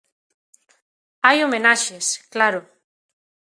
Hai homenaxes, claro.